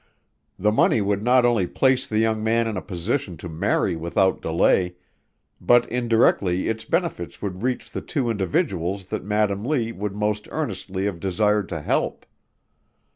The money would not only place the young man in a position to marry without delay, but indirectly its benefits would reach the two individuals that Madam Lee would most earnestly have desired to help.